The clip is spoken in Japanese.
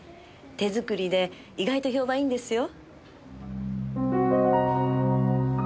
手作りで意外と評判いいんですよ。